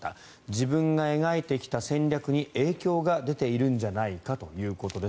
自分が描いてきた戦略に影響が出ているんじゃないかということです。